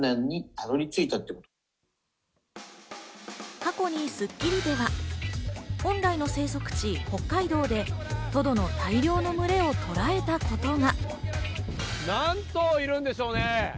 過去に『スッキリ』では、本来の生息地・北海道で、トドの大量の群れをとらえたことが。